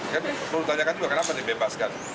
kan perlu ditanyakan juga kenapa dibebaskan